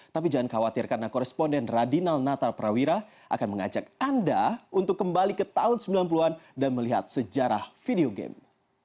tapi jangan khawatir karena koresponden radinal natal prawira akan mengajak anda untuk kembali ke tahun sembilan puluh an dan melihat sejarah video game